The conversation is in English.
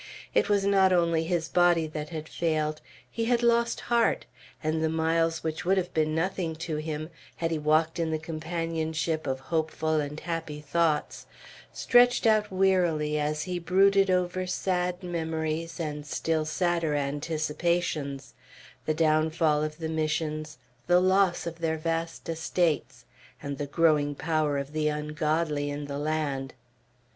It was not only his body that had failed. He had lost heart; and the miles which would have been nothing to him, had he walked in the companionship of hopeful and happy thoughts, stretched out wearily as he brooded over sad memories and still sadder anticipations, the downfall of the Missions, the loss of their vast estates, and the growing power of the ungodly in the land.